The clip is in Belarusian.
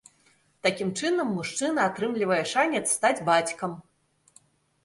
Такім чынам мужчына атрымлівае шанец стаць бацькам.